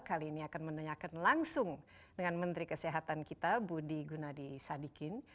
kali ini akan menanyakan langsung dengan menteri kesehatan kita budi gunadi sadikin